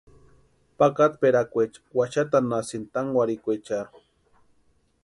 Pakatperakwaecha waxatʼanhasïnti tankwarhikweecharhu.